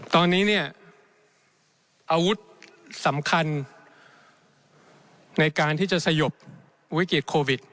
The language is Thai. ตอนนี้เนี่ยอาวุธสำคัญในการที่จะสยบวิกฤตโควิด